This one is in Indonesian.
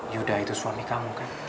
yuda itu suami kamu kan